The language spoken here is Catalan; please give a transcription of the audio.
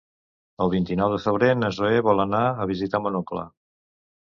El vint-i-nou de febrer na Zoè vol anar a visitar mon oncle.